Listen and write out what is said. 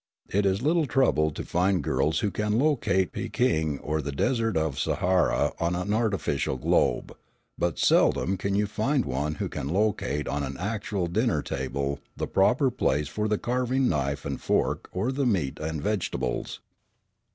It is little trouble to find girls who can locate Pekin or the Desert of Sahara on an artificial globe, but seldom can you find one who can locate on an actual dinner table the proper place for the carving knife and fork or the meat and vegetables.